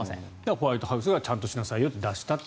ホワイトハウスがちゃんとしなさいよと出したと。